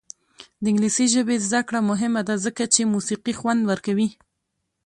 د انګلیسي ژبې زده کړه مهمه ده ځکه چې موسیقي خوند ورکوي.